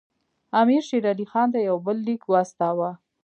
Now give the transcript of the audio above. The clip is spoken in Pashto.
امیر شېر علي خان ته یو بل لیک واستاوه.